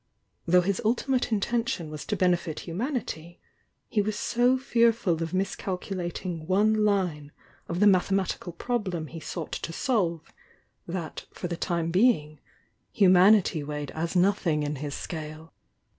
Though his ulti mate intention was to benefit humanity he was so fearful of miscalculating one line of the mathemati cal problem he sought to solve, that for the time being, humanity weighed as nothing in his scale.